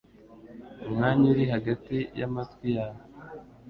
umwanya uri hagati y'amatwi yawe.”